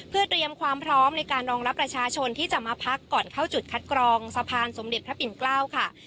เพื่อเตรียมความพร้อมในการรองรับประชาชนที่จะมาพักก่อนเข้าจุดคัดกรองสะพานสมเด็จพระปิ่นเกล้าค่ะ